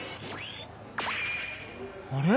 あれ？